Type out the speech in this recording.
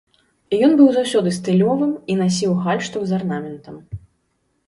Ён быў заўсёды стылёвым і насіў гальштук з арнаментам.